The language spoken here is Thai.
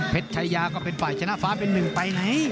ชายาก็เป็นฝ่ายชนะฟ้าเป็นหนึ่งไปแล้ว